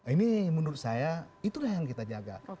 ini menurut saya itulah yang kita jaga